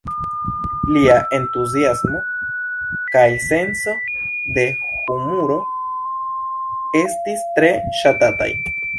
Lia entuziasmo kaj senso de humuro estis tre ŝatataj.